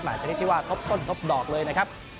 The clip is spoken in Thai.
หมายชะเคลียดที่ว่าทบต้นทบดอกเลยนะครับ